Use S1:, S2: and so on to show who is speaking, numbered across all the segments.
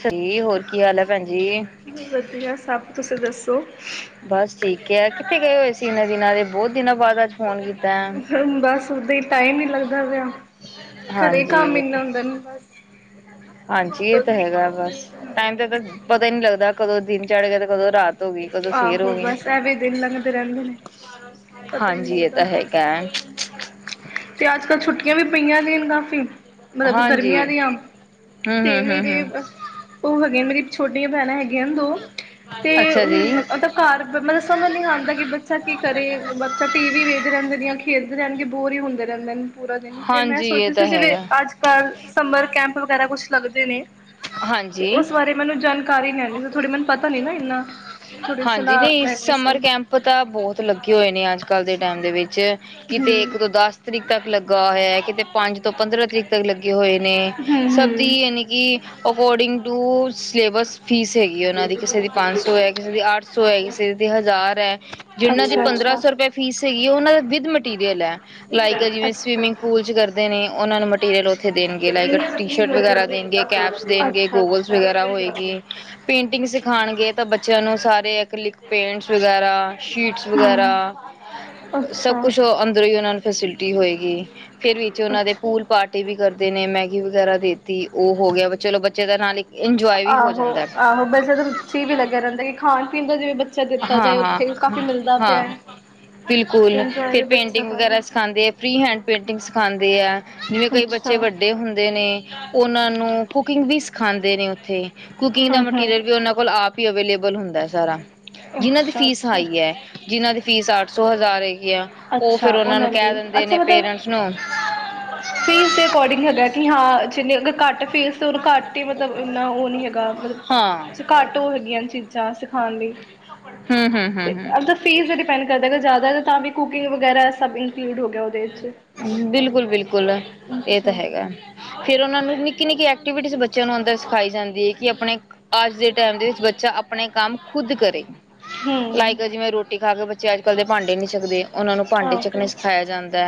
S1: ਸੀ -ਹੋਰ ਕੀ ਹਾਲ ਹੈ ਭੈਣ ਜੀ।
S2: ਵਧੀਆ ਸਭ ਤੁਸੀਂ ਦੱਸੋ।
S1: ਬਸ ਠੀਕ ਹੈ ਕਿੱਥੇ ਗਏ ਹੋਏ ਸੀ, ਇਹਨਾਂ ਦਿਨਾਂ ਦੇ ਬਹੁਤ ਦਿਨਾਂ ਬਾਅਦ ਅੱਜ ਫੋਨ ਕੀਤਾ। ਹੈ।
S2: ਬਸ ਉਦ ਹੀ ਟਾਈਮ ਨੀ ਲੱਗਦਾ ਦ [inaudible]
S1: ਹਾਂਜੀ-
S2: ਬਸ
S1: ਹਾਂਜੀ, ਇਹ
S2: ਉੱਤੋਂ
S1: ਤਾਂ
S2: ਦੀ
S1: ਹੈਗਾ ਬਸ ਟਾਈਮ ਤੇ ਤਾਂ ਪਤਾ ਹੀ ਨਹੀਂ ਲੱਗਦਾ। ਕਦੋਂ ਦਿਨ ਚੜ੍ਹ ਗਿਆ, ਤੇ ਕਦੋਂ ਰਾਤ ਹੋ ਗਈ ਕਦੋਂ ਸਵੇਰ ਹੋ
S2: ਆਹੋ
S1: ਗਈ
S2: ਬਸ ਐਵੇਂ ਦਿਨ ਲੰਘਦੇ ਰਹਿੰਦੇ ਨੇ, ਪਤਾ ਨੀ
S1: ਹਾਂਜੀ ਇਹ ਤਾਂ
S2: ਲੱਗਦਾ
S1: ਹੈਗਾ
S2: ਤੇ ਅੱਜ ਕੱਲ ਛੁੱਟੀ ਵੀ ਪਈਆਂ ਨੇਨ ਕਾਫੀ ਮਤਲਬ
S1: ਹਾਂਜੀ
S2: ਗਰਮੀਆਂ ਦੀਆਂ
S1: ਹੂੰ
S2: ਤੇ
S1: ਹੂੰ
S2: ਮਲੇ
S1: ਹੂੰ
S2: ਦੇ
S1: ਹੂੰ
S2: ਉਹ ਹੈਗੇ ਨੇ ਮੇਰੀ [inaudible] ਛੋਟੀਆਂ ਭੈਣਾਂ ਹੈਗੀ ਦੋ ਤੇ
S1: ਅੱਛਾ
S2: [inaudible] ਹ
S1: ਜੀ
S2: ਉਹ ਤਾਂ ਘਰ ਮਤਲਬ ਸਮਝ ਨੀ ਆਉਂਦਾ ਕਿ, ਬੱਚਾ ਕੀ ਕਰੇ ਬੱਚਾ ਟੀ ਵੀ ਵੇਖਦੇ ਰਹਿੰਦੇ ਨੇ, ਖੇਡਦੇ ਰਹਿਣਗੇ। ਬੋਰ ਹੀ ਹੁੰਦੇ ਰਹਿੰਦੇ ਨੇ ਪੂਰਾ ਦਿਨ ਤੇ ਮੈਂ
S1: ਹਾਂਜੀ ਇਹ
S2: ਸੋਚਿਆ
S1: ਤਾਂ
S2: ਸੀ ਜਿਵੇ
S1: ਹੈਗਾ
S2: ਅੱਜ -ਕੱਲ ਸਮਰ ਕੈਂਪ ਵਗੈਰਾ ਕੁਛ ਲੱਗਦੇ ਨੇ, ਤੇ
S1: ਹਾਂਜੀ
S2: ਉਸ ਬਾਰੇ ਮੈਨੂੰ ਜਾਣਕਾਰੀ ਨੀ ਆਉਂਦੀ ਸੀ, ਥੋੜੀ ਮੈਨੂੰ ਪਤਾ ਨੀ ਨਾ ਇਨਾ।
S1: ਹਾਂਜੀ ਨਹੀਂ ਸਮਰ ਕੈਂਪ ਤਾਂ ਬਹੁਤ ਲੱਗੇ ਹੋਏ ਨੇ ਅੱਜ ਕੱਲ੍ਹ ਦੇ ਟਾਈਮ ਦੇ ਵਿੱਚ ੱਚੇ ਕਿਤੇ ਇੱਕ ਤੋਂ ਦਸ ਤਰੀਕ ਤੱਕ ਲੱਗ ਕਿਤੇ ਪੰਜ ਤੋਂ ਪੰਦਰਾਂ ਤਰੀਕ ਤੱਕ ਲੱਗੇ ਹੋਏ
S2: ਹਮ
S1: ਸਭ ਦੀ
S2: ਹਮ
S1: ਯਾਨੀ ਕਿ ਅਕੋਰਡਿੰਗ ਟੂ ਸਿਲੇਬਸ ਫੀਸ ਹੈਗੀ ਉਹਨਾਂ ਦੀ ਕਿਸੇ ਦੀ ਪੰਜ ਸੌ ਹੈ ਕਿਸੇ ਦੀ ਅੱਠ ਸੌ ਹੈ ਕਿਸੇ ਦੀ ਹਜ਼ਾਰ ਹੈ ਜਿਨਾਂ ਦੀ
S2: ਅੱਛਾ
S1: ਪੰਦਰਾਂ
S2: ਅੱਛਾ
S1: ਸੌ ਰੁਪਏ ਫੀਸ ਹੈਗੀ ਉਹਨਾਂ ਵਿਦ ਮਟੀਰੀਅਲ ਹੈ
S2: ਅੱਛਾ
S1: ਲਾਇਕ ਜਿਵੇਂ ਸਵੀਮਿੰਗ ਪੂਲ ਚ ਕਰਦੇ ਨੇ ਉਹਨਾਂ ਨੂੰ ਮਟੀਰੀਅਲ ਉੱਥੇ ਦੇਣਗੇ ਲਾਈਕ ਟੀ ਸ਼ਰਟ ਵਗੈਰਾ ਦੇਣਗੇ
S2: ਅੱਛਾ
S1: ਕੈਪਸ ਦੇਣਗੇ ਗੂਗਲਸ ਵਗੈਰਾ ਹੋਏਗੀ
S2: ਅੱਛਾ
S1: ਪੇਂਟਿੰਗ ਸਿਖਾਉਣਗੇ ਤਾਂ ਬੱਚਿਆਂ ਨੂੰ ਸਾਰੇ ਇੱਕ ਲਿਖ ਪੈਂਟਸ ਵਗੈਰਾ ਸ਼ੀਟਸ ਵਗੈਰਾ ਸਭ
S2: ਅੱਛਾ,
S1: ਕੁਛ ਅੰਦਰੋਂ ਹੀ ਉਹਨਾਂ ਨੂੰ ਫੈਸਿਲਿਟੀ ਹੋਏਗੀ [unintelligible] ਹੋਏਗੀ ਫੇਿਰ ਵਿੱਚ ਉਹਨਾਂ ਦੇ
S2: ਅੱਛਾ।
S1: ਪੁਲ ਪਾਰਟੀ ਵੀ ਕਰਦੇ ਨੇ ਮੈਗੀ ਵਗੈਰਾ ਦੇਤੀ ਉਹ ਹੋ ਗਿਆ ਵ ਚਲੋ ਬੱਚੇ ਦਾ ਨਾਲ ਇੱਕ ਇੰਜੋਏ ਵੀ ਹੋ
S2: ਆਹੋ
S1: ਜਾਂਦਾ
S2: ਆਹੋ ਬਦੀ ਵੀ ਲੱਗਿਆ ਰਹਿੰਦਾ ਕਿ ਖਾਣ ਪੀਣ ਦਾ ਜਿਵੇਂ ਬੱਚਾ ਦਿੱਤਾ
S1: ਹਾਂ
S2: ਜਾਏ ਉੱਥੇ ਕਾਫ਼ੀ
S1: ਹਾਂ
S2: ਮਿਲਦਾ ਪਿਆ
S1: ਹਾਂ
S2: ਹੈ
S1: ਬਿਲਕੁਲ
S2: ਤਿੰਨ ਬੱਚਾ ਸ
S1: ਫਰੀ ਹੈਂਡ ਪੇਂਟਿੰਗ ਸਿਖਾਉਂਦੇ ਹੈ ਜਿਵੇਂ ਕਈ
S2: ਅੱਛਾ
S1: ਬੱਚੇ
S2: ਹੂੰ
S1: ਵੱਡੇ ਹੁੰਦੇ ਨੇ ਉਹਨਾਂ ਨੂੰ ਕੁਕਿੰਗ ਵੀ ਖਾਂਦੇ ਨੇ ਉੱਥੇ ਕੁਕਿੰਗ ਦਾ
S2: ਹੂੰ
S1: ਮਟੀਰੀਅਲ ਵੀ ਉਹਨਾਂ ਕੋਲ ਆਪ ਅਵੇਲੇਬਲ ਹੁੰਦਾ ਸਾਰਾ ਜਿਹਨਾਂ ਦੀ
S2: ਅੱਛਾ,
S1: ਫੀਸ
S2: ਅੱਛਾ।
S1: ਹਾਈ ਹੈ ਜਿਹਨਾਂ ਦੀ ਫੀਸ ਅੱਠ ਸੌ ਹਜ਼ਾਰ ਹੈਗੀ ਹੈ ਉਹ
S2: ਅੱਛਾ
S1: ਫੇਿਰ ਉਹਨਾ ਨੂੰ
S2: ਉਹਨਾਂ
S1: ਕਹਿ
S2: ਲਈ
S1: ਦਿੰਦੇ
S2: ਅੱਛਾ
S1: ਨੇ
S2: ਮਤਲਬ
S1: ਪੇਰੈਂਟਸ ਨੂੰ
S2: ਫੀਸ ਦੇ ਅਕੋਰਡਿੰਗ ਹੈਗਾ ਕਿ ਹਾਂ ਜਿੰਨੇ ਫੇਸ ਤੇ ਉਹਨੂੰ ਘੱਟ ਹੀ ਮਤਲਬ ਇੰਨਾ ਉਹ ਨੀ ਹੈਗਾ ਮਤਲਬ
S1: ਹਾਂ
S2: ਘੱਟ ਉਹ ਹੈਗੀਆਂ ਚੀਜ਼ਾਂ ਚਾਹ ਸਿਖਾਉਣ ਲਈ
S1: ਹਮ ਹਮ ਹਮ
S2: ਮਤਲਬ ਫੀਸ ਤੇ ਡਿਪੈਂਡ ਕਰਦਾ ਕਿ ਜਾਦਾ ਤਾਂ ਵੀ ਕੁਕਿੰਗੈਰਾ ਸਭ ਇੰਕਲੂਡ ਹੋ ਗਿਆ ਉਹਦੇ ਵਿੱਚ।
S1: ਬਿਲਕੁਲ ਬਿਲਕੁਲ ਇਹ ਤਾਂ
S2: ਅੱਛਾ,
S1: ਹੈਗਾ ਫੇਿਰ ਉਹਨਾਂ ਨੂੰ ਨਿੱਕੀ ਨਿੱਕੀ ਐਕਿ ਬੱਚਿਆਂ ਨੂੰ ਅੰਦਰ ਸਿਖਾਈ ਜਾਂਦੀ ਹੈ ਕਿ ਆਪਣੇ ਅੱਜ ਦੇ ਟਾਈਮ ਦੇ ਵਿੱਚ ਬੱਚਾ ਆਪਣੇ ਕੰਮ ਖੁਦ ਕਰੇ
S2: ਹੂੰ।
S1: ਲਾਈਕ ਜਿਵੇਂ ਰੋਟੀ ਖਾ ਕੇ ਬ ਅੱਜ ਕੱਲ ਦੇ ਭਾਂਡੇ ਨੀ ਸਕਦੇ ਉਹਨਾਂ ਨੂੰ ਭਾਂਡੇ ਚੱਕਣੇ
S2: ਆਹੋ
S1: ਸਿਖਾਇਆ ਜਾਂਦਾ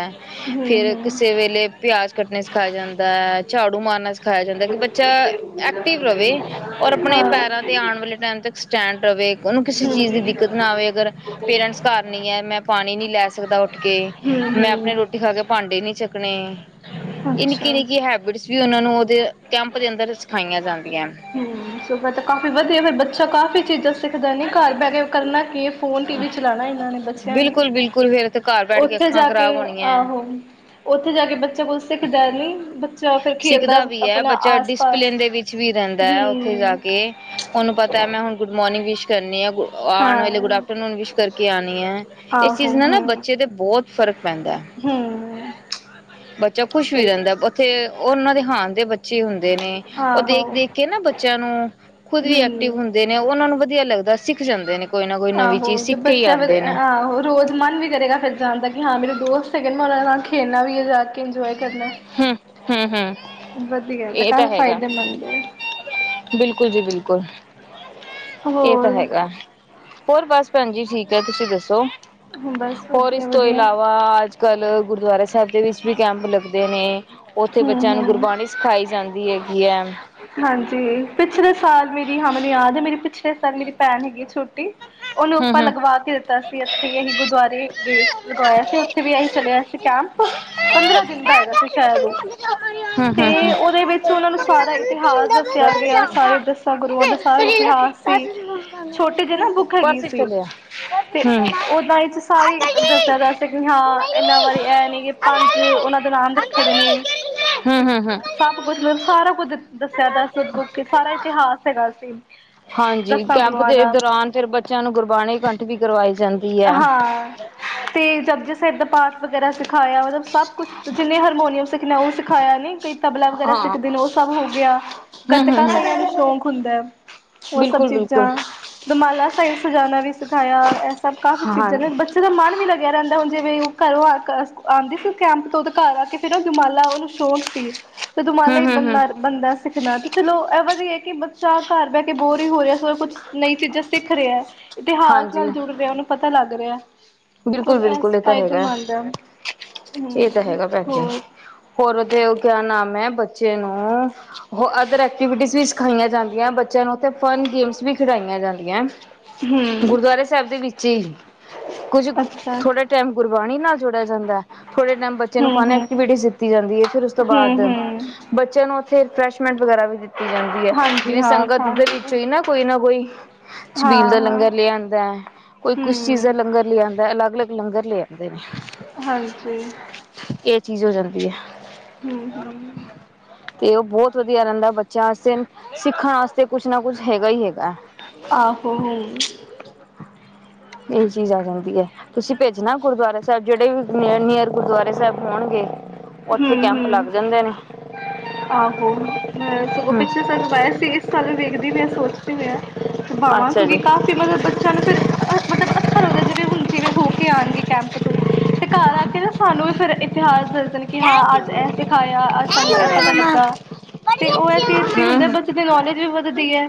S2: ਹਮ
S1: ਫਿਰ
S2: ਹਮ
S1: ਕਿਸੇ ਵੇਲੇ ਪਿਆਜ ਕੱਟਣੇ ਸਿਖਾਇਆ ਜਾਂਦਾ ਹੈ ਝਾੜੂ ਮਾਰਨਾ ਸਿਖਾਇਆ ਜਾਂਦਾ
S2: ਹਾਂ
S1: ਕਿ ਬੱਚਾ ਐਕਟਿਵ ਰਹੇ ਔਰ
S2: ਹਮ
S1: ਆਪਣੇ ਪੈਰਾਂ ਤੇ
S2: ਹਮ
S1: ਆਉਣ ਵਾਲੇ ਟਾਈਮ ਤੱਕ ਸਟੈਂਡ ਰਹੇ ਉਹਨੂੰ ਕਿਸੇ ਚੀਜ਼ ਦੀ ਦਿੱਕਤ ਨਾ ਆਵੇ ਅਗਰ ਪੇਰੈਂਟਸ ਘਰ ਨ ਹੈ ਮੈਂ ਪਾਣੀ ਨੀ ਲੈ ਸਕਦਾ ਕੇ ਮੈਂ
S2: ਹਮ
S1: ਆਪਣੇ ਰੋਟੀ ਖਾ ਕੇ ਭਾਂਡੇ ਨੀ ਚੱਕ ਆਪਣੇ ਇਹ
S2: ਅੱਛਾ
S1: ਨਿੱਕੀ ਨਿੱਕੀ ਹੈਬਿਟਸ ਵੀ ਉਹਨਾਂ ਨੂੰ ਉਹਦੇ ਕੈਂਪ ਦੇ ਅੰਦਰ ਸਿਖਾਈਆਂ ਜਾਂਦੀਆਂ
S2: ਹਮ ਸੁਬਾ ਤਾਂ ਕਾਫੀ ਵਧੀਆ ਫ ਬੱਚਾ ਕਾਫੀ ਚੀਜ਼ਾਂ ਸਿੱਖਦਾ ਨੀ ਘਰ ਬਹਿ ਕੇ ਕਰਨਾ ਕੀ ਫੋਨ ਟੀ ਵੀ ਚਲਾਣਾ ਇਹਨਾਂ ਨੇ ਬੱਚਿਆਂ ਨੇ
S1: ਬਿਲਕੁਲ ਬਿਲਕੁਲ ਫਿਰ ਤੇ ਘਰ ਬੈਠ
S2: ਉਓਥੇ
S1: ਅੱਖਾਂ
S2: ਜਾ ਕੇ
S1: ਖਰਾਬ ਹੋਣੀਆਂ
S2: ਆਹੋ ਉਓਥੇ ਜਾ ਕੇ ਬੱਚੇ ਕੋਲ ਸਿੱਖਦਾ ਨੀ ਬੱਚਾ ਫਰ ਖੇਲਦਾ
S1: ਸਿੱਖਦਾ ਵੀ
S2: ਆਪਣਾ
S1: ਬੱਚਾ
S2: ਆਸ ਪਾਸ
S1: ਡਿਸਪਲਿਨ ਦੇ ਵਿੱਚ ਵੀ ਰਹਿੰਦਾ ਹੈ ਉੱਥੇ ਜਾ
S2: ਹਮ
S1: ਕੇ ਉਹਨੂੰ ਪਤਾ ਮੈਂ ਹੁਣ ਗੁਡ ਮੋਰਨਿੰਗ ਵਿ [unintelligible] ਆਉਣ ਵਾਲੇ ਗੁੱਡ
S2: ਹਾਂ
S1: ਆਫਟਰਨੂਨ ਵਿਸ਼ ਕਰਕੇ ਆਉਣੀ ਹੈ ਇਸ ਚੀਜ਼
S2: ਆਹੋ
S1: ਨਾ ਨਾ
S2: ਹਮ
S1: ਬੱਚੇ ਦੇ ਬਹੁਤ ਫਰਕ ਪੈਂਦਾ
S2: ਹਮ
S1: ਬੱਚਾ ਖੁਸ਼ ਵੀ
S2: ਸਹੀ
S1: ਰਹਿੰਦਾ
S2: ਗੱਲ
S1: ਉੱਥੇ ਉਹ ਉਹਨਾਂ ਦੇ ਹਾਂ ਦੇ ਬੱਚੇ ਹੁੰਦੇ ਨੇ ਉਹ
S2: ਆਹੋ
S1: ਦੇਖ ਦੇਖ ਕੇ ਨਾ ਬੱਚਿਆਂ ਨੂੰ ਖੁਦ ਵੀ ਐਕਟਿਵ
S2: ਹੂੰ
S1: ਹੁੰਦੇ ਨੇ ਉਹਨਾਂ ਨੂੰ ਵਧੀਆ ਲੱਗਦਾ ਸਿੱਖ ਜਾਂਦੇ ਨੇ। ਕੋਈ ਨਾ ਕੋਈ ਨਵੀਂ
S2: ਆਹੋ
S1: ਚੀਜ਼
S2: ਤੇ
S1: ਸਿੱਖ ਕੇ ਹੀ
S2: ਬੱਚਾ ਫਿਰ
S1: ਆਉਂਦੇ ਨੇ
S2: ਆਹੋ ਰੋਜ਼ ਮਨ ਵੀ ਕਰੇਗਾ ਫੇਰ ਜਾਣ ਦਾ ਕਿ ਹਾਂ ਮੇਰੇ [unintelligible] [unintelligible] ਕਿਜੰ
S1: ਹਮ- ਹਮ- ਹਮ
S2: ਵਧੀਆ
S1: ਇਹ ਤਾਂ
S2: ਕਾਫੀ
S1: ਹੈਗਾ।
S2: ਫਾਇਦੇਮੰਦ ਹੈ
S1: ਬਿਲਕੁਲ ਜੀ ਬਿਲਕੁਲ ਏ ਤਾ
S2: ਹੋਰ
S1: ਹੈਗਾ ਹੋਰ ਬਸ ਪੈਣ ਜੀ ਠੀਕ ਹੈ ਤੁਸੀਂ ਦੱਸੋ।
S2: ਬਸ
S1: ਹੋਰ ਇਸ
S2: ਵਧੀਆ
S1: ਤੋਂ
S2: ਵਧੀਆ
S1: ਇਲਾਵਾ। ਅੱਜ ਕੱਲ ਗੁਰਦੁਆਰਾ ਸਾਹਿਬ ਵਿੱਚ ਵੀ ਕੈਂਪ ਲਗਦੇ ਦੇ ਨੇ ਉੱਥੇ
S2: ਹੂੰ
S1: ਬੱਚਿਆਂ ਨੂੰ
S2: ਹੂੰ
S1: ਗੁਰਬਾਣੀ ਸਿਖਾਈ ਜਾਂਦੀ ਹੈ [unintelligible]
S2: ਹਾਂਜੀ ਪਿਛਲੇ ਸਾਲ ਮੇਰੀ ਹਾ ਮੇਨੂੰ ਯਾਦ ਹੈ ਮੇਰੀ ਸਰ ਮੇਰੀ ਭੈਣ ਹੈਗੀ ਏ ਛੋਟੀ ਉਹਨੂੰ
S1: ਹੂੰ
S2: ਉੱਪਰ
S1: ਹੂੰ।
S2: ਲਗਵਾ ਕੇ ਦਿੱਤਾ ਸੀ ਅਸੀਂ ਇਹੀ ਗੁਰਦੁਆਰੇ ਦੇ ਲਗਵਾਇਆ ਸੀ ਉੱਥੇ ਵੀ ਅਸੀਂ ਚਲਿਆ ਸੀ ਕੈਂਪ। ਪੰਦਰਾਂ ਦਿਨ ਦਾ ਹੈਗਾ ਸੀ ਸ਼ਾਇਦ ਉਹ
S1: ਹੂੰ
S2: ਤੇ
S1: ਹੂੰ।
S2: ਉਹਦੇ ਵਿੱਚ ਉਹਨਾਂ ਨੂੰ ਸਾਰਾ ਇਤਿਹਾਸ ਦੱਸਿਆ ਗਿਆ। ਸਾਰੇ ਦੱਸਾਂ ਗੁਰੂਆਂ ਦਾ ਸਾਰਾ ਇਤਿਹਾਸ ਸੀ ਛੋਟੇ ਜੀ ਨਾ ਬੁੱਕ ਹੈਗੀ
S1: ਪਰਸ ਚ
S2: ਸੀ
S1: ਲਿਆ
S2: ਤੇ
S1: ਹੂੰ।
S2: ਓਦਾਂ ਵਿੱਚ ਸਾਰੇ ਦੱਸਿਆ ਜਾ ਸੀ ਕਿ ਹਾਂ ਇਨਾ ਵਾਰੀ ਇਹ ਨੀ ਕਿ ਪੰਜ ਉਹਨਾਂ ਦੇ ਨਾਮ ਰੱਖੇ ਦੇ ਨੇ।
S1: ਹੂੰ ਹੂੰ ਹੂੰ।
S2: ਸਭ ਕੁਛ ਮਤਲਬ ਸਾਰਾ ਕੁੱਝ [unintelligible] ਸਾਰਾ ਇਤਿਹਾਸ ਹੈਗਾ ਸੀ
S1: ਹਾਂਜੀ
S2: ਦਸਾਂ
S1: ਕੈਂਪ
S2: ਗੁਰੂਆਂ
S1: ਦੇ
S2: ਦਾ
S1: ਦੌਰਾਨ ਫਿਰ ਬੱਚਿਆਂ ਨੂੰ ਗੁਰਬਾਣੀ ਕੰਠ ਵੀ ਕਰਵਾਈ ਜਾਂਦੀ ਏ।
S2: ਹਾਂ ਤੇ ਜਪਜੀ ਸਾਹਿਬ ਦਾ ਪਾਠ ਵਗੈਰਾ ਸਿਖਾਇਆ ਔਰ ਸਭ ਕੁਛ ਜਿਨੇ ਹਾਰਮੋਨੀਅਮ ਸਿਖਨਾ ਉਹ ਖਾਇਆ ਨੀ। ਕਈ ਤਬਲਾ ਵਗੈਰਾ
S1: ਹਾਂ
S2: ਸਿੱਖਦੇ ਨੇ, ਔ ਸਭ ਹੋ ਗਿਆ, ਗੱਤਕਾ
S1: ਹੂੰ-ਹੂੰ
S2: ਕਈਆਂ ਨੂੰ ਸ਼ੌਕ ਹੁੰਦਾ। ਔ ਸਭ
S1: ਬਿਲਕੁਲ-ਬਿਲਕੁਲ
S2: ਚੀਜ਼ਾਂ, ਦੁਮਾਲਾ ਸਾਇਬ ਸਜਾ ਵੀ ਸਖ਼ ਆਇਆ ਇਹ ਸਭ ਕਾਫ਼ੀ
S1: ਹਾਂ
S2: ਚੀਜ਼ਾਂ ਨੇ ਬੱਚੇ ਦਾ ਮਨ ਵੀ ਲੱਗਿਆ ਰਹਿੰਦਾ, ਹੁਨ ਜਿਵੇਂ ਔ ਘਰੋਂ ਆ ਆ ਆਂਦੀ ਸੀ ਕੈਂਪ ਤੋਂ ਤੇ ਘਰ ਆ ਕੇ ਫਿਰ ਔ ਦੁਮਾਲਾ ਔਨੂੰ ਸ਼ੌਂਕ ਸੀ। ਤ ਦੁਮਾਲਾ ਹੀ
S1: ਹੂੰ-ਹੂੰ-ਹੂੰ
S2: ਬਣਨਾ ਦਾ ਸਿੱਖਣਾ ਤੇ ਚਲੋ ਇਹ ਵਧਿਆ ਏ ਕਿ ਬੱਚਾ ਘਰ ਬਹਿ ਕੇ ਬੋਰ ਹੀ ਹੋ ਰਿਹਾ ਸ ਕੁਛ ਨਈ ਚੀਜ਼ਾਂ ਸਿੱਖ ਰਿਹਾ, ਇਤਿਹਾਸ ਨਾਲ ਜੁੜ ਰਿਹਾ, ਔਨੂੰ ਪਤਾ ਲੱਗ ਰਿਹਾ। [unintelligible]
S1: ਬਿਲਕੁਲ
S2: ਸਭ
S1: ਬਿਲਕੁਲ
S2: ਇਸ
S1: ਇਹ ਤਾਂ ਹੈਗਾ
S2: ਫਾਇਦੇਮੰਦ ਹੈ
S1: ਇਹ ਤਾਂ
S2: ਹਮ
S1: ਹੈਗਾ ਪੈਕੇ
S2: ਹੋਰ
S1: ਹੋਰ ਤੇ ਕਿਆ ਨਾਮ ਏ ਬੱਚੇ ਨੂੰ ਹੋ ਅਦਰ ਐਕਟੀਵਿਟੀਸ ਵੀ ਸਿਖਾਈਆਂ ਜਾਂਦੀਆਂ ਬੱਚੇ ਔਥੇ ਫਨ ਗੇਮਸ ਵੀ ਖਿਡਾਈਆਂ ਜਾਂਦੀਆਂ
S2: ਹਮ
S1: ਗੁਰਦੁਆਰਾ ਸਾਹਿਬ ਦੇ ਵਿੱਚ ਠੀਕ ਕੁੱਝ
S2: ਅੱਛਾ
S1: ਥੋੜਾ ਟਾਈਮ ਗੁਰ ਬਾਣੀ ਨਾਲ ਜੋੜਿਆ ਜਾਂਦਾ ਏ ਥੋੜੇ ਟਾਈਮ ਬੱਚੇ ਨੂੰ
S2: ਹਮ
S1: ਫਨ
S2: ਹਮ
S1: ਐਕਟੀਵਿਟੀ ਦਿੱਤੀ ਜਾਂਦੀ ਏ, ਫਿਰ ਔਸ ਤੋਂ ਬਾਦ
S2: ਹਮ ਹਮ
S1: ਬੱਚਿਆਂ ਨੂੰ ਫੇਰ ਰਿਫਰੈਸ਼ੈਂਟ ਵਗੈਰਾ ਵੀ ਦਿ ਕੀਤੀ ਜਾਂਦੀ ਹੈ।
S2: ਹਾਂਜੀ
S1: ਜਿਵੇਂ
S2: ਹਾਂ
S1: ਸੰਗਤ ਦੇ
S2: ਖਾ
S1: ਵਿੱਚੋਂ ਹੀ ਨਾ ਕੋਈ ਨਾ ਕੋਈ
S2: ਹਾਂ
S1: ਛਬੀਲ ਦਾ
S2: ਹਾਂ
S1: ਲੰਗਰ ਲੇ ਆਂਦਾ ਏ, ਕੋਈ ਕੁਛ ਚੀਜ਼ ਦਾ
S2: ਹਮ
S1: ਲੰਗਰ ਅਲੱਗ-ਅਲੱਗ ਲੰਗਰ ਲਿਆ ਨੇ,
S2: ਹਾਂਜੀ
S1: ਏ ਚੀਜ਼ ਹੋ ਜਾਂਦੀ [inaudible]
S2: ਹੁੰ ਹੁੰ
S1: ਤੇ ਔ ਬਹੁਤ ਵਧੀਆ ਰੇਂਦਾ ਬੱਚਿਆਂ ਆਸੇ ਸਿੱਖਣ ਆਸਤੇ ਕੁਛ ਨਾ ਕੁਛ ਹੈਗਾ ਹੀ ਹੈਗਾ
S2: ਆਹੋ ਹਮ
S1: ਏ ਚੀਜ਼ ਆ ਜਾਂ ਦੀ ਹੈ ਤੁਸੀਂ ਭੇਜਣਾ ਗੁਰਦੁਆਰਾ ਸਾਹਿਬ ਜਿਹੜੇ ਵੀ ਨੀਅਰ ਨੀਅਰ ਗੁਰਦੁਆਰੇ ਸੈਬ ਹੋਣਗੇ
S2: ਹੂੰ
S1: ਉੱਥੇ ਕੈਂਪ ਲੱਗ
S2: ਹੂੰ,
S1: ਜਾਂਦੇ ਨੇ
S2: ਆਹੋ ਮੈ ਸਗੋਂ
S1: ਹਮ
S2: ਪਿਛਲੇ ਸਾਲ ਕਰਵਾਆ ਸੀ ਇਸ ਸਾਲ ਵੀ ਵੇਖਦੀ ਪੀ ਆ ਸੋਚਦੀ ਪੀ ਆ ਤੇ ਬਾਵਾਂ
S1: ਅੱਛਾ
S2: ਕਿਉਂਕਿ
S1: ਜੀ
S2: ਕਾਫ਼ੀ ਮਤਲਬ ਬੱਚਿਆਂ ਨੂੰ ਫਿਰ ਮਤਲਬ ਅੱਛਾ ਲੱਗਦੈ ਜਿਵੇਂ ਹੁਣ ਜਿਵੇਂ ਹੋ ਕੇ ਆਣਗੇ ਕੈਂਪ ਤੋਂ ਤੇ ਘਰ ਆ ਕੇ ਨਾ ਸਾਨੂੰ ਵੀ ਫੇਰ ਇਤਿਹਾਸ ਦਸ ਕਿ ਹਾਂ ਅੱਜ ਐ ਸਿਖਾਯਾ ਅੱਜ ਸੈਨੂੰ ਐ ਪਤਾ ਲੱਗਾ ਤੇ ਔ ਐ ਚੀਜ਼ ਕੀ ਹੁੰਦੈ
S1: ਹਮ
S2: ਬੱਚੇ ਦੀ ਨੌਲੇਜ ਵੀ ਵੱਧਦੀ ਐ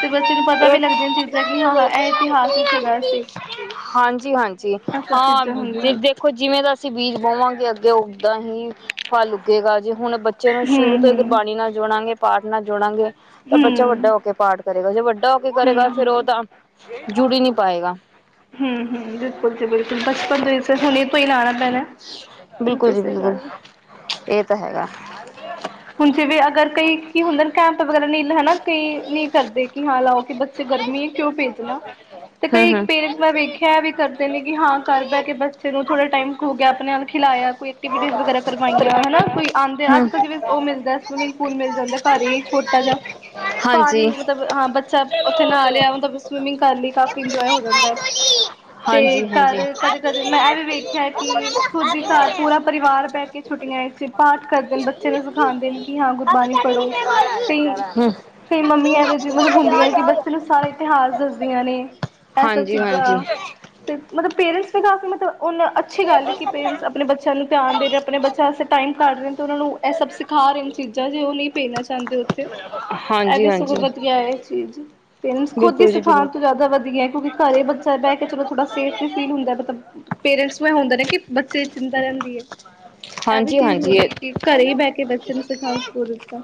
S2: ਤੇ ਬੱਚੇ ਨੂੰ ਪਤਾ
S1: ਇਹ
S2: ਵੀ ਲੱਗਦੀਆਂਣ ਚੀਜ਼ਾਂ ਕਿ ਹਾਂ ਹਾਂ ਐ ਇਤਿਹਾਸ ਹਿਚ ਹੈਗਾ ਸੀ,
S1: ਹਾਂਜੀ-ਹਾਂਜੀ
S2: ਐ ਸਭ
S1: ਹਾਂ
S2: ਚੀਜ਼ਾਂ
S1: ਜੇ
S2: ਹੁੰਦੀਆਂ
S1: ਦੇਖੋ ਜਿਵੇਂ ਦਾ ਅਸੀਂ ਬੀਜ ਬੋਵਾਂਗੇ ਅੱਗੇ ਓਦਾਂ ਹੀ ਫਲ ਉਗੇਗਾ ਜਿਵ ਹੁਣ ਬੱਚੇ ਨੂੰ ਸ਼ੁਰੂ ਤੋਂ ਈ
S2: ਹੂੰ
S1: ਗੁਰਬਾਣੀ ਨਾਲ ਜੋੜਾਂਗੇ, ਪਾਠ ਨਾਲ ਜੋੜਾਂਗੇ ਪਰ
S2: ਹੂੰ
S1: ਬੱਚਾ ਵੱਡਾ ਹੋਕੇ ਪਾਠ ਕਰੇਗਾ, ਜੇ ਵੱਡਾ ਹੋ ਕੇ
S2: ਹੂੰ
S1: ਕਰੇਗਾ ਫੇਰ ਔ
S2: ਹੂੰ
S1: ਤਾਂ ਜੁੜ ਹੀ ਨੀ ਪਾਏਗਾ
S2: ਹੂੰ ਹੂੰ ਬਿਲਕੁਲ ਜੀ ਬਿਲਕੁਲ ਬਚਪਨ ਤੋਂ ਹੀ ਹੁਣੇ ਤੋਂ ਹੀ ਲਾਉਣਾ ਪੈਣਾ
S1: ਬਿਲਕੁਲ ਜੀ
S2: ਸਹੀ
S1: ਬਿਲਕੁਲ
S2: ਗੱਲ ਹੈ
S1: ਏ ਤਾਂ ਹੈਗਾ
S2: ਹੁਣ ਜਿਵੇ ਅਗਰ ਕਈ ਕੀ ਹੁੰਦੇ ਨੇ ਕੈਂਪ ਵਗੈਰਾ ਨਹੀਂ ਹੈਨਾ, ਕਈ ਨੀ ਕਰਦੇ ਕਿ ਹਾਂ ਲਾਓ ਕਿ ਬੱਚੇ ਗਰਮੀ ਕਿਉਂ ਭੇਜਣਾ ਤੇ ਕਈ
S1: ਹਮ-ਹਮ
S2: ਪੇਰੈਂਟਸ ਮੈਂ ਵੇਖਿਆ ਵੀ ਕਰਦੇ ਨੇ ਕਿ ਹਾਂ ਕਰ ਬੈ ਕੇ ਬੱਚੇ ਨੂੰ ਥੋੜਾ ਟਾਈਮ ਖੋ ਗਿਆ ਅਪਣੇ ਅਲ ਖਿਲਾਯਾ ਕੋਈ ਐਕਟੀਵਿਟੀਸ ਵਗੈਰਾ ਕਰਵਾਈਆਂ ਹਨਾ ਕੋਈ ਆਂਦੇ
S1: ਹਮ
S2: ਅੱਜ-ਕੱਲ ਜਿਵੇਂ ਔ ਮਿਲਦੈ ਸਵਿਮਿੰਗ ਪੂਲ ਮਿਲ ਜਾਂਦੈ, ਘਰ ਹੀ ਛੋਟਾ ਜਾ
S1: ਹਾਂਜੀ
S2: ਪਾਣੀ ਮਤਲਬ ਹਾਂ ਬੱਚਾ ਔਥੇ ਨਾਅ ਲਿਆ ਔਂਦਾ ਬ ਸਵੀਮਿੰਗ ਕਰ ਲੀ, ਕਾਫ਼ੀ ਇੰਜੋਏ ਹੋ ਜਾਂਦਾ ਤੇ
S1: ਹਾਂਜੀ ਹਾਂਜੀ
S2: ਘਰ ਕਦੇ ਕਦੇ ਮੈਂ ਐ ਵੀ ਵੇਖਿਆ ਕਿ ਖੁੱਦ ਹੀ ਘਰ ਪੂਰਾ ਪਰਿਵਾਰ ਬਹਿ ਕੇ ਛੁੱਟੀਆਂ ਵਿੱਚ ਪਾਠ ਕਰਦੇ ਬਚ ਬੱਚੇ ਨੂੰ ਸਿਖਾਂਦੇ ਨੇ ਕਿ ਹਾਂ ਗੁਰਬਾਣੀ ਪੜ੍ਹੋ ਕਈ
S1: ਹਮ
S2: ਫੇਰ ਮੰਮੀ ਐਵੇਂ ਜੀ ਮਤਲਬ ਹੁੰਦੀਆਂ ਏ ਕਿ ਬੱਚੇ ਨੂੰ ਸਾਰਾ ਇਤਿਹਾਸ ਦੱਸਦੀਆਂ ਨੇ ਐ ਸਭ
S1: ਹਾਂਜੀ ਹਾਂਜੀ
S2: ਚੀਜ਼ਾਂ ਤੇ ਮਤਲਬ ਪੇਰੈਂਟਸ ਵੀ ਕਾਫ਼ੀ ਮਤਲਬ ਹੁਣ ਅੱਛੀ ਗੱਲ ਏ ਕਿ ਪੇਰੈਂਟਸ ਅਪਣੇ ਬੱਚਿਆਂ ਨੂੰ ਧਿਆਨ ਦੇ ਰੇ ਆਪਣੇ ਬੱਚਿਆਂ ਵਾਸਤੇ ਟਾਈਮ ਕੱਢ ਰੇ ਨੇ ਤੇ ਓਨਾਂ ਨੂੰ ਸਿਖਾ ਰੇ ਨੇ ਚੀਜ਼ਾਂ ਜੇ ਔ ਨਹੀਂ ਭੇਜਣਾ ਚਾਂਦੇ ਓਥੇ। ਐ
S1: ਹਾਂਜੀ
S2: ਵੀ ਸਗੋਂ
S1: ਹਾਂਜੀ
S2: ਵਧੀਆ ਏ ਐ ਚੀਜ਼। ਪੇਰੈਂਟਸ ਖੁਦ ਈ
S1: ਬਿਲਕੁਲ ਜੀ
S2: ਸਿਖਾਣ ਤੋਂ
S1: ਬਿਲਕੁਲ
S2: ਜਿਆਦਾ ਵਧੀਐ ਕਿਉਂਕਿ ਘਰੇ ਬੱਚਾ ਬੈ ਕੇ ਚਲੋ ਥੋੜਾ ਸੇਫ ਵੀ ਫੀਲ ਹੁੰਦੈ ਮਤਬ ਪੇਰੈਂਟਸ ਨੂੰ ਐ ਹੁੰਦੈ ਨਾ ਕਿ ਬੱਚੇ ਚਿੰਤਾ ਰਹਿੰਦੀ ਏ, ਐ ਵੀ ਚੀਜ਼ ਹੁੰਦੀ ਕਿ ਘਰੇ ਹੀ ਬਹਿ ਕੇ ਬੱਚੇ ਨੂੰ ਸਿਖਾਉਣ ਸਕੂਲ ਦਿੱਤਾ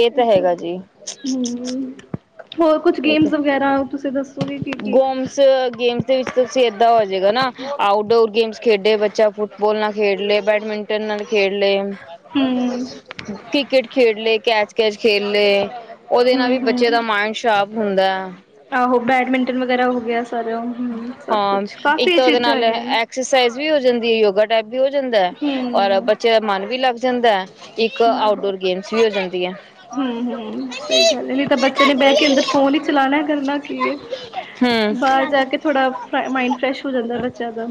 S1: ਏ ਤਾਂ ਹੈਗਾ ਜੀ
S2: ਹਮ ਹੋਰ ਕੁਛ
S1: ਏ ਤੇ
S2: ਗੇਮਸ ਵਗੈਰਾ ਤੁਸੀਂ ਦੱਸੋਗੇ ਕੀ ਕੀ
S1: ਗੋਮਸ ਗੇਮਸ ਦੇ ਵਿੱਚ ਤੁਸੀਂ ਏਦਾਂ ਹੋਜੇਗਾ ਨਾ ਆਊਟਡੋਰ ਗੇਮਸ ਖੇਡੇ ਬੱਚਾ ਫੁਟ ਬੋਲ ਨਾਲ ਖੇਡ ਲੇ, ਬੈਡਮਿੰਟਨ ਨਾਲ ਖੇਡ ਲੇ,
S2: ਹਮ
S1: ਕ੍ਰਿਕੇਟ ਖੇਡ ਲੇ, ਕੈਚ ਕੈਚ ਖੇ ਖੇਲ ਲੇ ਓਦੇ ਨਾਲ
S2: ਹਮ
S1: ਵੀ ਬੱਚੇ ਦਾ
S2: ਹਮ
S1: ਮਾਇੰਡ ਸ਼ਾਰਪ ਹੁੰਦਾ।
S2: ਆਹੋ ਬੈਡਮਿੰਟਨ ਵਗੈਰਾ ਹੋ ਗਿਆ ਸਾਰੇ ਅ ਹੂੰ ਸਭ
S1: ਹਾਂ
S2: ਕੁਛ ਕਾਫ਼ੀ ਚੀਜ਼ਾਂ ਹੈਗੀਆਂ ਨੇ।
S1: ਜਂਦੀ ਐ ਯੋਗਾ ਟਾਈਪ ਵੀ ਹੋ ਜਂਦਾ ਔਰ
S2: ਹਮ
S1: ਬੱਚੇ ਦਾ ਮਨ ਵੀ ਲੱਗ ਜਾਂਦਾ। ਇੱਕ
S2: ਆਹੋ
S1: ਆਊਟਡੋਰ ਗੇਮਸ ਵੀ ਹੋ ਜਾਂਦੀ ਹੈ
S2: ਹੂੰ ਹੂੰ ਸਹੀ ਗੱਲ ਹੈ ਨਹੀਂ ਤਾਂ ਬੱਚਿਆ ਨੇ ਬਹਿ ਕੇ ਅੰਦਰ ਫੋਨ ਹੀ ਚਲਾਣਾ ਕਰਨਾ ਕੀ ਏ
S1: ਹਮ
S2: ਬਾਹਰ ਜਾ ਕੇ ਥੋੜਾ ਮਾਈਡ ਫਰੈਸ਼ ਹੋ ਜਾਂਦਾ ਬੱਚਿਆ ਦਾ।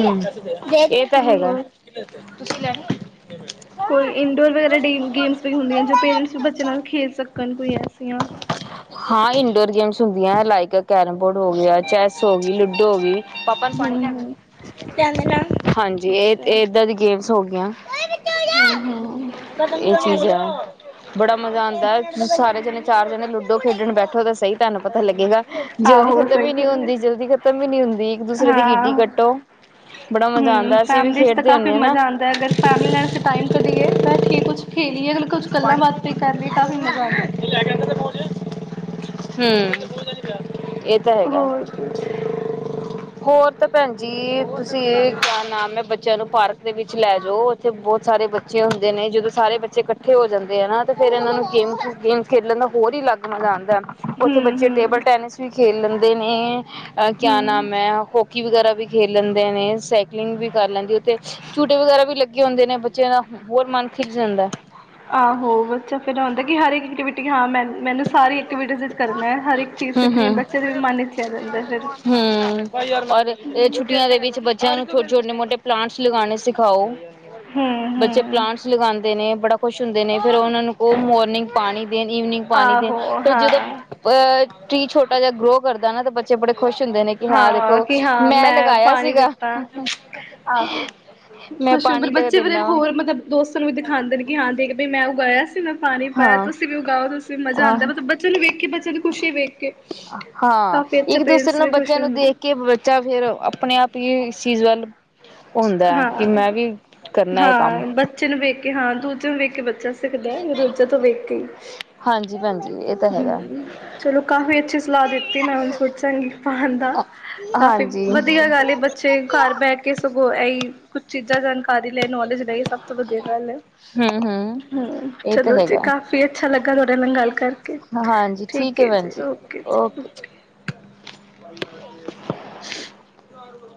S1: ਹਮ ਇਹ ਤਾਂ ਹੈਗਾ।
S2: ਹੋਰ
S1: ਤੁਸੀਂ ਲੈਣੇ?
S2: ਕੋਈ ਇੰਡੋਰ ਵਗੈਰਾ ਡੈਮਸ ਗੇਮਸ ਵੀ ਹੁੰਦੀਆਂ ਜੋ ਪੇਰੈਂਟਸ ਵੀ ਬੱਚੇ ਨਾਲ ਖੇਡ ਸਕਣ ਕੋਈ ਐਸੀਆਂ।
S1: ਹਾਂ ਇਨਡੋਰ ਗੇਮਸ ਹੁੰਦੀਆਂ ਹੈ ਲਾਈਕ ਕੈਰਮ ਬੋਰਡ ਹੋ ਗਿਆ ਚੈੱਸ ਹੋ ਗਈ ਲੂਡੋ ਹੋ ਗਈ। ਪਾਪਾ ਨੂੰ ਪਾਣੀ ਲਿਆ
S2: ਹੂੰ-ਹੂੰ
S1: ਕੇ ਦਈ। ਹਾਂਜੀ ਇਹ
S2: ਅੱਛਾ।
S1: ਏਦਾਂ ਦੀ ਗੇਮ ਸ ਹੋ ਗਈਆਂ।
S2: ਹੂੰ-ਹੂੰ
S1: ਇਹ ਚੀਜ਼ ਆ ਬੜਾ ਮਜ਼ਾ ਆਂਦਾ ਸਾਰੇ ਜਣੇ ਚਾਰ ਜਣੇ ਲੁਡ ਡੋ ਖੇਡਣ ਬੈਠੋ ਤਾਂ ਸਹੀ ਤੁਹਾਨੂੰ ਪਤਾ ਲੱਗੇਗਾ। ਜਲਦੀ
S2: ਆਹੋ
S1: ਖਤਮ
S2: ਸਹੀ
S1: ਹੀ ਨੀ
S2: ਗੱਲ ਏ
S1: ਹੁੰਦੀ ਜਲਦੀ ਖਤਮ ਹੀ ਨੀ ਹੁੰਦੀ ਇੱਕ ਦੂਸਰੇ ਦੀ ਗਿੱਟੀ
S2: ਹਾਂ।
S1: ਕੱਟੋ। ਬੜਾ ਮਜ਼ਾ
S2: ਹੂੰ,
S1: ਆਉਂਦਾ ਅਸੀਂ ਵੀ
S2: ਫੈਮਲੀ ਚ ਤਾਂ
S1: ਖੇਡਦੇ
S2: ਕਾਫੀ
S1: ਹੁੰਦੇ ਨਾ
S2: ਮਜ਼ਾ ਆਂਦਾ ਏ ਅਗਰ ਫੈਮਲੀ ਵਾਸਤੇ ਟਾਈਮ ਕੱਢੀਏ ਬੈਠੀਏ ਕੁਛ ਖੇਲੀਏ। ਕੁਛ ਗੱਲਾਂ ਬਾਤ ਈ ਕਰ ਲਈਏ ਕਾਫ਼ੀ ਮਜ਼ਾ ਆਉਂਦਾ।
S1: ਹੂੰ ਇਹ ਤਾਂ ਹੈਗਾ
S2: ਹੋਰ ਕੁਛ
S1: ਹੋਰ ਤਾਂ ਭੈਣ ਜੀ ਤੁਸੀਂ ਕਯਾ ਨਾਮ ਹੈ ਬੱਚਿਆਂ ਨੂੰ ਪਾਰਕ ਦੇ ਵਿੱਚ ਲੈ ਜਾਓ ਉੱਥੇ ਬਹੁਤ ਸਾਰੇ ਬੱਚੇ ਹੁੰਦੇ ਨੇ ਜਦੋਂ ਸਾਰੇ ਬੱਚੇ ਕਠ ਇਕੱਠੇ ਹੋ ਜਾਂਦੇ ਆ ਨਾ ਤੇ ਫੇਰ ਇਹਨਾਂ ਨੂੰ ਗੇਮਸ ਗੇਮਸ ਖੇਲਣ ਦਾ ਹੋਰ ਹੀ ਅਲੱਗ ਮਜ਼ਾ ਆਉਂਦਾ ਹੈ ਉੱਥੇ ਬੱਚੇ ਟੇਬਲ
S2: ਹੂੰ-ਹੂੰ,
S1: ਟੈਨਿਸ ਵੀ ਖੇਲ ਲੈਂਦੇ ਨੇ ਆ ਕਿਆ
S2: ਹੂੰ।
S1: ਨਾਮ ਹੈ ਹੋਕੀ ਵਗੈਰਾ ਵੀ ਖੇਲ ਲੈਂਦੇ। ਨੇ ਸਾਈਕਲਿੰਗ ਵੀ। ਕਰ ਲੈਂਦੀ ਉੱਥੇ ਝੂਟੇ ਵਗੈਰਾ ਵੀ ਲੱਗੇ ਹੁੰਦੇ ਨੇ। ਬੱਚਿਆ ਦਾ ਹੋਰ ਮਨ ਖਿੱਜ ਜਾਂਦਾ।
S2: ਆਹੋ ਬੱਚਾ ਫਿਰ ਆੁੰਦਾ ਕਿ ਹਰ ਐਕਟੀ ਹਾਂ ਮੈਂ ਮੈਨੂੰ ਸਾਰੀ ਐਕਟੀਵਿਟੀ ਵਿੱਚ ਕਰਨਾ ਹੈ ਹਰ ਇੱਕ ਚੀਜ਼
S1: ਹਮ
S2: ਸਿੱਖਣੀ ਹੈ
S1: ਹਮ
S2: ਬੱਚੇ ਦੇ ਵੀ ਮਨ ਵਿਚ ਰੇਹ ਜਾਂਹਿੰਦਾ ਫਿਰ।
S1: ਹੂੰ ਔਰ ਇਹ ਛੁੱਟੀਆਂ ਦੇ ਵਿੱਚ ਬੱਚਿਆਂ ਨੂੰ ਛੋਟੇ-ਛੋਟੇ ਮੋਟੇ ਪਲਾਂਟਸ ਲਗਾਉਣੇ ਸਿਖਾਓ।
S2: ਹੂੰ
S1: ਬੱਚੇ
S2: ਹੂੰ
S1: ਪਲਾਂਟਸ ਲਗਾਉਂਦੇ ਨੇ ਬੜਾ ਖੁਸ਼ ਹੁੰਦੇ ਨੇ ਫੇਰ ਉਹਨਾਂ ਨੂੰ ਕੋ ਮੋਰਨਿੰਗ ਪਾਣੀ ਦੇਣ ਈਵਨਿੰਗ ਪਾਣੀ ਦੇਣ।
S2: ਆਹੋ
S1: ਫਿਰ
S2: ਹਾਂ
S1: ਜਦੋਂ ਅਹ ਟ੍ਰੀ ਛੋਟਾ ਜਿਹਾ ਗ੍ਰੌ ਕਰਦ ਨਾ ਬੱਚੇ ਬੜੇ ਖੁਸ਼ ਹੁੰਦੇ ਨੇ ਕਿ
S2: ਹਾਂ ਹਾਂ
S1: ਦੇਖੋ
S2: ਕਿ ਹਾਂ ਮੈਂ
S1: ਲਗਾਇਆ
S2: ਪਾਣੀ
S1: ਸੀਗਾ
S2: ਦਿੱਤਾ ਆਹੋ
S1: ਮੈਂ
S2: ਖੁਸ਼ ਫਿਰ
S1: ਪਾਣੀ ਲ
S2: ਬੱਚੇ ਫਿਰੇ
S1: ਦਿੰਦਾ ਵਾਂ
S2: ਹੋਰ ਮਤਲਬ ਦੋਸਤ ਨੂੰ ਵੀ ਦਿਖਾਂਦੇ ਨੇ ਕਿ ਹਾਂ ਦੇਖ ਬੀ ਮੈਂ ਉਗਾਇਆ। ਤੇ ਮੈਂ ਪਾਣੀ ਪਾਇਆ
S1: ਹਾਂ।
S2: ਤੁਸੀਂ ਵੀ ਉਗਾਓ ਤੁਸੀਂ ਵੀ ਮਜ਼ਾ
S1: ਹਾਂ,
S2: ਆਂਦਾ ਮਤਲਬ ਬੱਚੇ ਨੂੰ ਵੇਖ ਕੇ ਬੱਚਿਆਂ ਦੀ ਖੁਸ਼ੀ ਵੇਖ ਕੇ
S1: ਹਾਂ
S2: ਕਾਫੀ ਅੱਛ
S1: ਇੱਕ ਦੂਸਰੇ
S2: ਪੇਰੇਂਟਸ
S1: ਨੂੰ ਬੱਚਿਆਂ ਨੂੰ ਦੇਖ ਕੇ ਬੱਚਾ ਫੇਰ ਆਪਣੇ ਆਪ ਹੀ ਇਸ ਚੀਜ਼ ਵੱਲ ਹੁੰਦਾ ਕਿ
S2: ਹਾਂ
S1: ਮੈਂ ਵੀ ਕਰਨਾ ਇਹ ਕੰਮ
S2: ਹਾਂ ਬੱਚੇ ਨੂੰ ਵੇਖ ਕੇ ਹਾਂ ਦੂਜੇ ਨੂੰ ਵੇਖ ਕੇ ਬੱਚਾ ਸਿੱਖਦਾ ਦੂਜਾ ਤੋਂ ਵੇਖ ਈ
S1: ਹਾਂਜੀ ਭੈਜੀ
S2: ਹੂੰ ਚਲੋ ਕਾਫ਼ੀ ਅੱਛੀ ਸਲਾਹ ਦਿੱਤੀ ਮੈਂ ਹੁਣ ਸੋਚਾਂਗੀ ਪਾਣ ਦਾ ਕਾਫ਼ੀ
S1: ਹਾਂਜੀ।
S2: ਵਧੀਆ ਗੱਲ ਏ ਬੱਚੇ ਘਰ ਬਹਿ ਕੇ ਸਗੋਂ ਇਹ ਹੀ ਕੁੱਛ ਚੀਜ਼ਾਂ ਸਨ ਲ ਨੌਲੇਜ ਲਈ ਸਭ ਤੋਂ ਵਧੀਆ ਗੱਲ ਐ
S1: ਹੂੰ-ਹੂੰ,
S2: ਹੂੰ
S1: ਇਹ ਤਾਂ
S2: ਚਲੋ ਜੀ
S1: ਹੈਗਾ
S2: ਕਾਫ਼ੀ ਅੱਛਾ ਲੱਗਾ ਤੁਹਾਡੇ ਨਾਲ ਗੱਲ ਕਰ
S1: ਹਾਂਜੀ ਠੀਕ ਆ ਭੈਣ ਜੀ
S2: ਜੀ
S1: ਓਕੇ [unintelligible]
S2: [unintelligible]
S1: [unintelligible]